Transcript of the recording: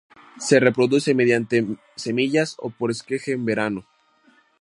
Se reproduce mediante semillas o por esqueje en verano.